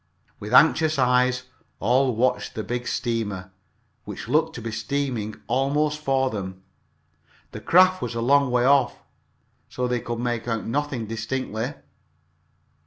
With anxious eyes all watched the big steamer, which looked to be steering almost for them. The craft was a long way off, so they could make out nothing distinctly.